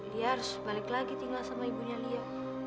lia harus balik lagi tinggal sama ibunya lia